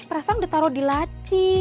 perasaan udah taruh di laci